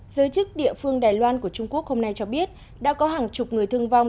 giới chức địa phương đài loan của trung quốc hôm nay cho biết đã có hàng chục người thương vong